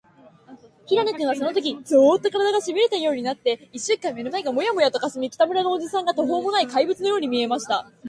平野君は、そのとき、ゾーッと、からだが、しびれたようになって、いっしゅんかん目の前がモヤモヤとかすみ、北村のおじさんが、とほうもない怪物のように見えました。